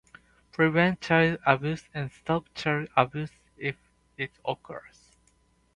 Prevent child abuse and stop child abuse if it occurs.